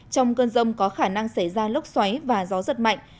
trong cơn rông có khả năng xảy ra lốc xoáy và gió giật mạnh